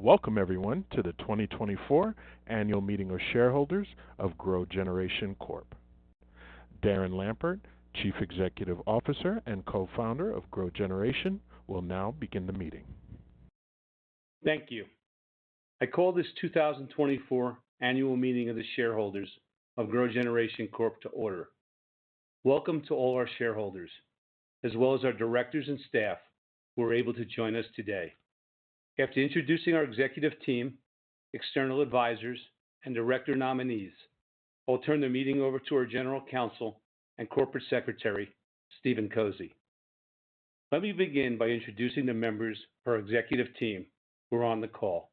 Welcome, everyone, to the 2024 annual meeting of shareholders of GrowGeneration Corp. Darren Lampert, Chief Executive Officer and Co-founder of GrowGeneration, will now begin the meeting. Thank you. I call this 2024 Annual Meeting of the Shareholders of GrowGeneration Corp to order. Welcome to all our shareholders, as well as our directors and staff who are able to join us today. After introducing our executive team, external advisors, and director nominees, I'll turn the meeting over to our General Counsel and Corporate Secretary, Stephen Kozey. Let me begin by introducing the members of our executive team who are on the call.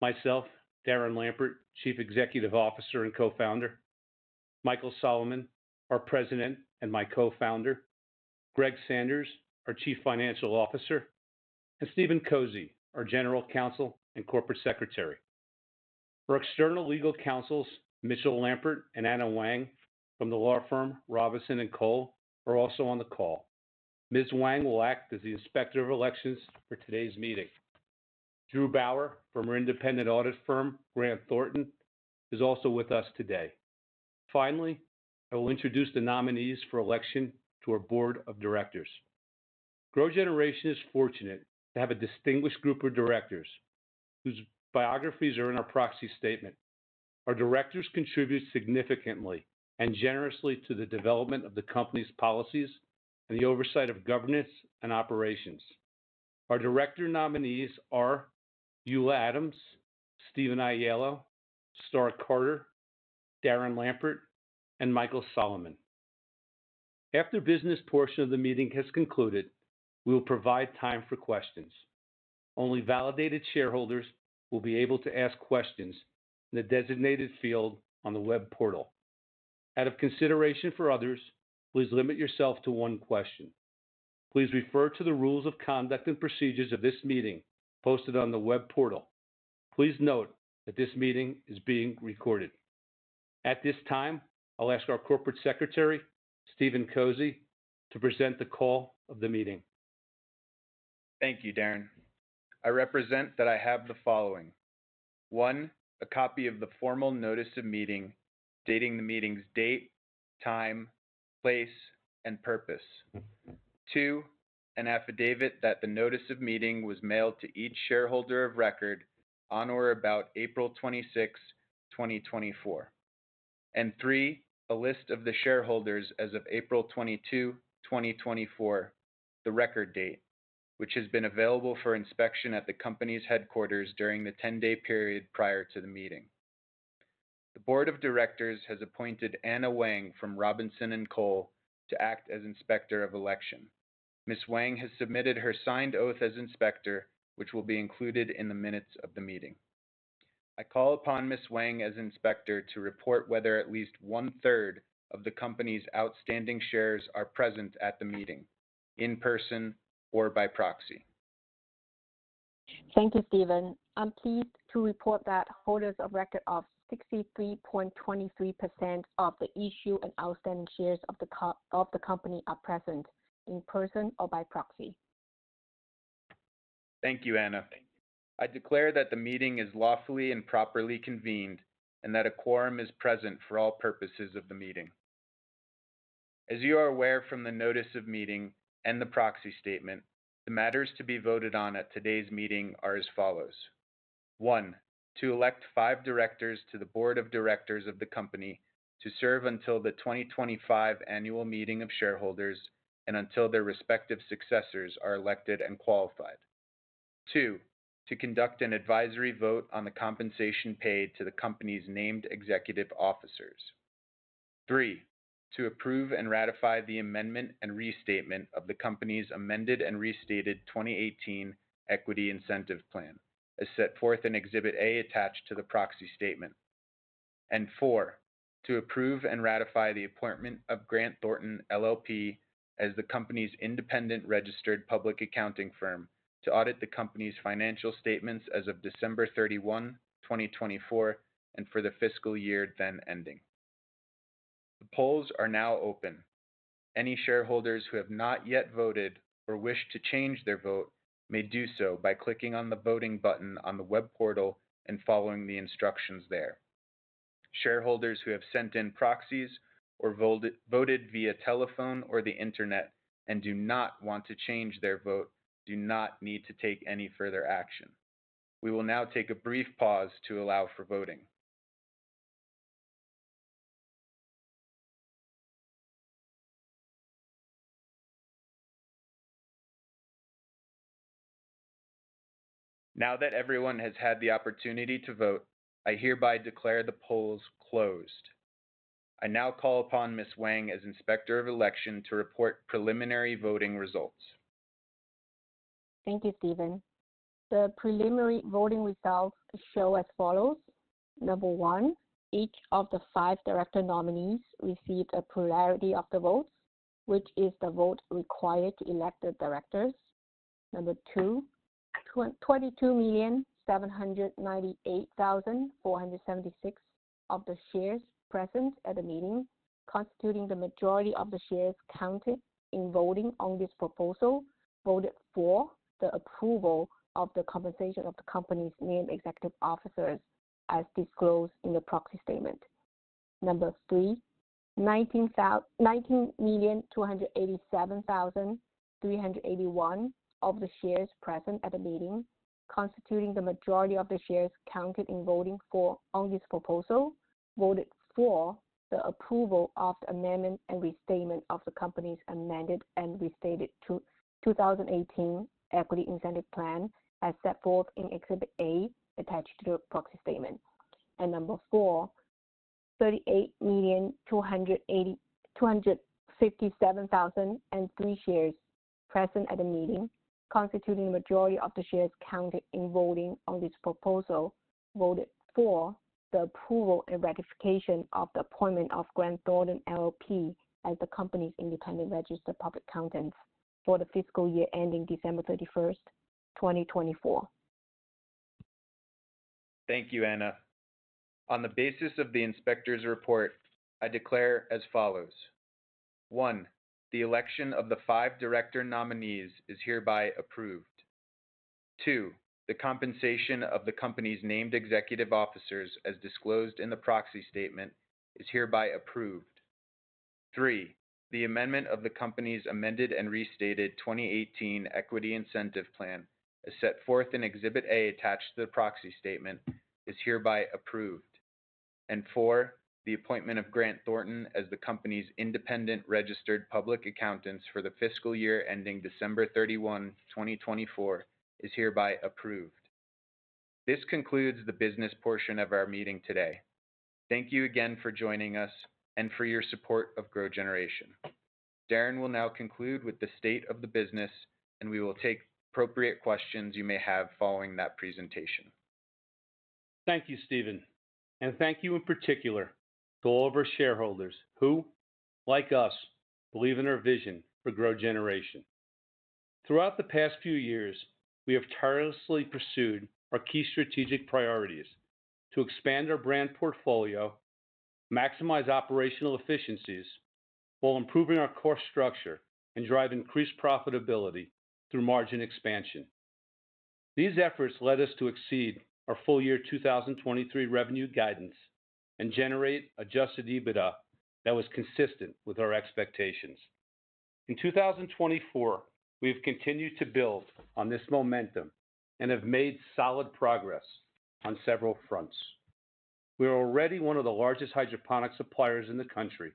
Myself, Darren Lampert, Chief Executive Officer and Co-founder; Michael Salaman, our President and my Co-founder; Greg Sanders, our Chief Financial Officer; and Stephen Kozey, our General Counsel and Corporate Secretary. Our external legal counsels, Mitchell Lampert and Anna Wang, from the law firm Robinson+Cole, are also on the call. Ms. Wang will act as the Inspector of Elections for today's meeting. Drew Bauer from our independent audit firm, Grant Thornton, is also with us today. Finally, I will introduce the nominees for election to our board of directors. GrowGeneration is fortunate to have a distinguished group of directors, whose biographies are in our proxy statement. Our directors contribute significantly and generously to the development of the company's policies and the oversight of governance and operations. Our director nominees are Eula Adams, Stephen Aiello, Star Carter, Darren Lampert, and Michael Salaman. After the business portion of the meeting has concluded, we will provide time for questions. Only validated shareholders will be able to ask questions in the designated field on the web portal. Out of consideration for others, please limit yourself to one question. Please refer to the rules of conduct and procedures of this meeting posted on the web portal. Please note that this meeting is being recorded. At this time, I'll ask our Corporate Secretary, Stephen Kozey, to present the call of the meeting. Thank you, Darren. I represent that I have the following: 1, a copy of the formal notice of meeting, stating the meeting's date, time, place, and purpose. 2, an affidavit that the notice of meeting was mailed to each shareholder of record on or about April 26th, 2024. And 3, a list of the shareholders as of April 22nd, 2024, the record date, which has been available for inspection at the company's headquarters during the 10-day period prior to the meeting. The board of directors has appointed Anna Wang from Robinson+Cole to act as Inspector of Election. Ms. Wang has submitted her signed oath as inspector, which will be included in the minutes of the meeting. I call upon Ms. Wang as Inspector to report whether at least one-third of the company's outstanding shares are present at the meeting, in person or by proxy. Thank you, Stephen. I'm pleased to report that holders of record of 63.23% of the issued and outstanding shares of the company are present, in person or by proxy. Thank you, Anna. I declare that the meeting is lawfully and properly convened, and that a quorum is present for all purposes of the meeting. As you are aware from the notice of meeting and the proxy statement, the matters to be voted on at today's meeting are as follows: One, to elect five directors to the board of directors of the company to serve until the 2025 annual meeting of shareholders and until their respective successors are elected and qualified. Two, to conduct an advisory vote on the compensation paid to the company's named executive officers. Three, to approve and ratify the amendment and restatement of the company's amended and restated 2018 Equity Incentive Plan, as set forth in Exhibit A attached to the proxy statement. And four, to approve and ratify the appointment of Grant Thornton LLP as the company's independent registered public accounting firm to audit the company's financial statements as of December 31st, 2024, and for the fiscal year then ending. The polls are now open. Any shareholders who have not yet voted or wish to change their vote may do so by clicking on the voting button on the web portal and following the instructions there. Shareholders who have sent in proxies or voted via telephone or the internet and do not want to change their vote do not need to take any further action. We will now take a brief pause to allow for voting. Now that everyone has had the opportunity to vote, I hereby declare the polls closed. I now call upon Ms. Wang as Inspector of Election to report preliminary voting results. Thank you, Stephen. The preliminary voting results show as follows: Number one, each of the five director nominees received a plurality of the votes, which is the vote required to elect the directors. Number two, 22,798,476 of the shares present at the meeting, constituting the majority of the shares counted in voting on this proposal, voted for the approval of the compensation of the company's named executive officers as disclosed in the proxy statement. Number three, 19,287,381 of the shares present at the meeting, constituting the majority of the shares counted in voting for on this proposal, voted for the approval of the amendment and restatement of the company's amended and restated 2018 Equity Incentive Plan, as set forth in Exhibit A, attached to the proxy statement. Number four, 38,257,003 shares present at the meeting, constituting the majority of the shares counted in voting on this proposal, voted for the approval and ratification of the appointment of Grant Thornton LLP as the company's independent registered public accountants for the fiscal year ending December 31, 2024. Thank you, Anna. On the basis of the inspector's report, I declare as follows: One, the election of the five director nominees is hereby approved. Two, the compensation of the company's named executive officers, as disclosed in the proxy statement, is hereby approved. Three, the amendment of the company's amended and restated 2018 Equity Incentive Plan, as set forth in Exhibit A attached to the proxy statement, is hereby approved. And Four, the appointment of Grant Thornton as the company's independent registered public accountants for the fiscal year ending December 31st, 2024, is hereby approved. This concludes the business portion of our meeting today. Thank you again for joining us and for your support of GrowGeneration. Darren will now conclude with the state of the business, and we will take appropriate questions you may have following that presentation. Thank you, Stephen, and thank you in particular to all of our shareholders who, like us, believe in our vision for GrowGeneration. Throughout the past few years, we have tirelessly pursued our key strategic priorities to expand our brand portfolio, maximize operational efficiencies, while improving our core structure and drive increased profitability through margin expansion. These efforts led us to exceed our full year 2023 revenue guidance and generate Adjusted EBITDA that was consistent with our expectations. In 2024, we have continued to build on this momentum and have made solid progress on several fronts. We are already one of the largest hydroponic suppliers in the country,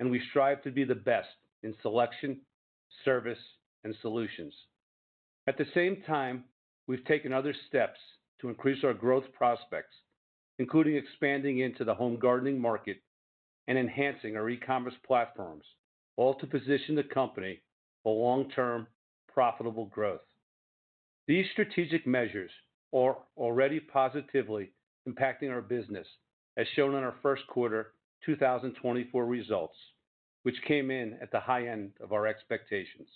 and we strive to be the best in selection, service, and solutions. At the same time, we've taken other steps to increase our growth prospects, including expanding into the home gardening market and enhancing our e-commerce platforms, all to position the company for long-term, profitable growth. These strategic measures are already positively impacting our business, as shown in our first quarter 2024 results, which came in at the high end of our expectations.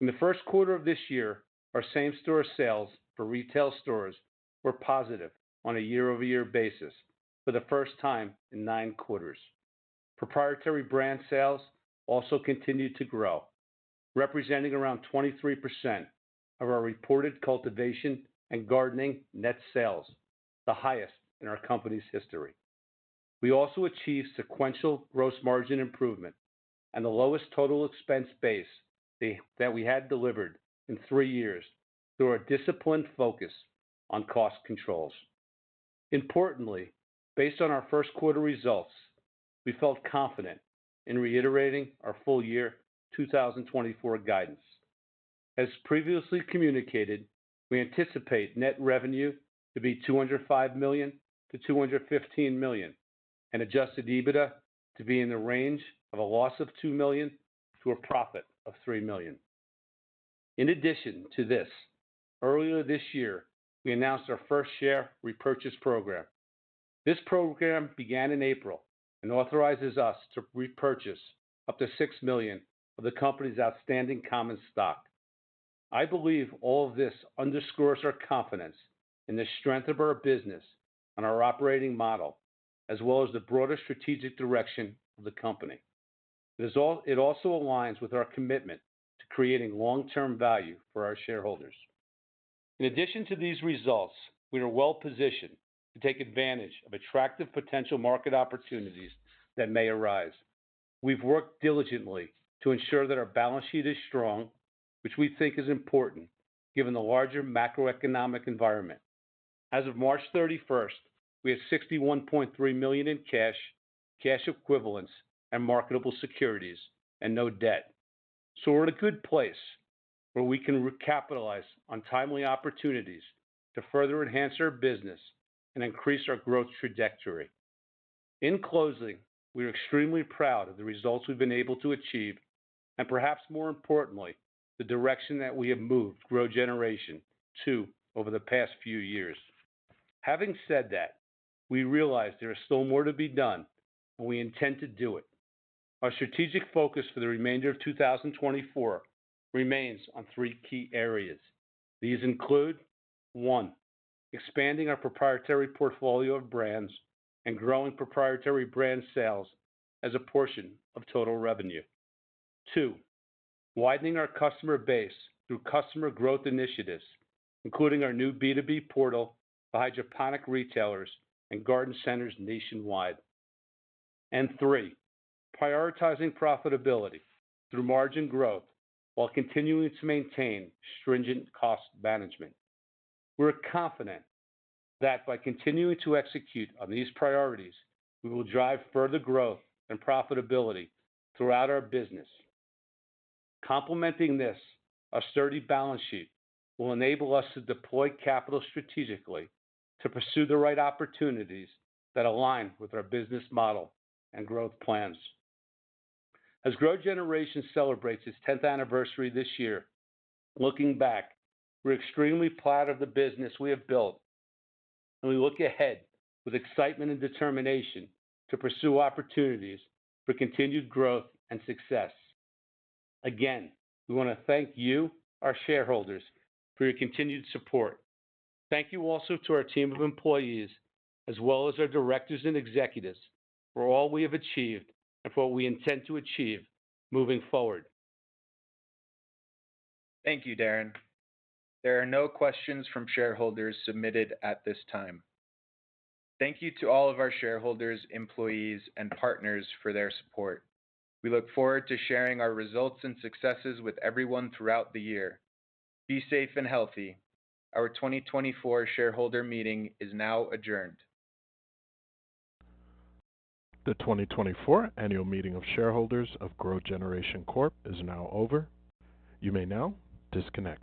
In the first quarter of this year, our same-store sales for retail stores were positive on a year-over-year basis for the first time in nine quarters. Proprietary brand sales also continued to grow, representing around 23% of our reported cultivation and gardening net sales, the highest in our company's history. We also achieved sequential gross margin improvement and the lowest total expense base that we had delivered in three years through our disciplined focus on cost controls. Importantly, based on our first quarter results, we felt confident in reiterating our full year 2024 guidance. As previously communicated, we anticipate net revenue to be $205 million-$215 million, and Adjusted EBITDA to be in the range of a loss of $2 million to a profit of $3 million. In addition to this, earlier this year, we announced our first share repurchase program. This program began in April and authorizes us to repurchase up to 6 million of the company's outstanding common stock. I believe all of this underscores our confidence in the strength of our business and our operating model, as well as the broader strategic direction of the company. It also aligns with our commitment to creating long-term value for our shareholders. In addition to these results, we are well positioned to take advantage of attractive potential market opportunities that may arise. We've worked diligently to ensure that our balance sheet is strong, which we think is important given the larger macroeconomic environment. As of March 31, we had $61.3 million in cash, cash equivalents, and marketable securities, and no debt. So we're in a good place where we can recapitalize on timely opportunities to further enhance our business and increase our growth trajectory. In closing, we are extremely proud of the results we've been able to achieve, and perhaps more importantly, the direction that we have moved GrowGeneration to over the past few years. Having said that, we realize there is still more to be done, and we intend to do it. Our strategic focus for the remainder of 2024 remains on three key areas. These include: One, expanding our proprietary portfolio of brands and growing proprietary brand sales as a portion of total revenue. Two, widening our customer base through customer growth initiatives, including our new B2B portal by hydroponic retailers and garden centers nationwide. And Three, prioritizing profitability through margin growth while continuing to maintain stringent cost management. We're confident that by continuing to execute on these priorities, we will drive further growth and profitability throughout our business. Complementing this, a sturdy balance sheet will enable us to deploy capital strategically to pursue the right opportunities that align with our business model and growth plans. As GrowGeneration celebrates its 10th anniversary this year, looking back, we're extremely proud of the business we have built, and we look ahead with excitement and determination to pursue opportunities for continued growth and success. Again, we want to thank you, our shareholders, for your continued support. Thank you also to our team of employees, as well as our directors and executives, for all we have achieved and for what we intend to achieve moving forward. Thank you, Darren. There are no questions from shareholders submitted at this time. Thank you to all of our shareholders, employees, and partners for their support. We look forward to sharing our results and successes with everyone throughout the year. Be safe and healthy. Our 2024 shareholder meeting is now adjourned. The 2024 annual meeting of shareholders of GrowGeneration Corp is now over. You may now disconnect.